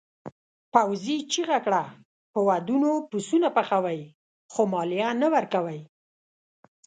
پوځي چیغه کړه په ودونو پسونه پخوئ خو مالیه نه ورکوئ.